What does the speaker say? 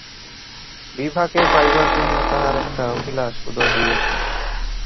বিভাকে পাইবার জন্য তাঁহার একটা অভিলাষ উদয় হইয়াছিল।